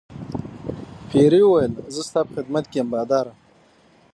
پیري وویل زه ستا په خدمت کې یم باداره.